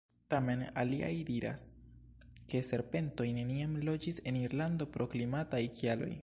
Tamen aliaj diras, ke serpentoj neniam loĝis en Irlando pro klimataj kialoj.